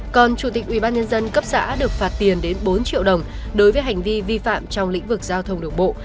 còn chủ tịch ubnd cấp xã được phạt tiền đến bốn triệu đồng đối với hành vi vi phạm trong lĩnh vực giao thông đường bộ